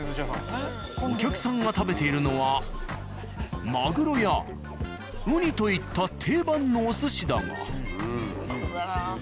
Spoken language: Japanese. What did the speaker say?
お客さんが食べているのはマグロやウニといった定番のお寿司だが。